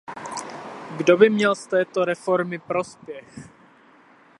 Kdo by byl měl z této reformy prospěch?